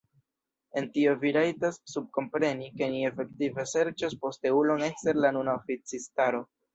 En tio vi rajtas subkompreni, ke ni efektive serĉos posteulon ekster la nuna oficistaro.